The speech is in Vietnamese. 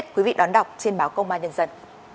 quý vị đón đọc trên báo công an nhân dân